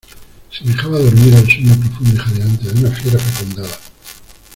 semejaba dormir el sueño profundo y jadeante de una fiera fecundada.